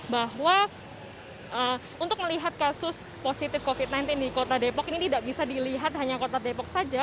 bahwa untuk melihat kasus positif covid sembilan belas di kota depok ini tidak bisa dilihat hanya kota depok saja